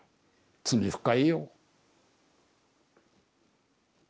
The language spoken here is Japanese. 罪深いよ。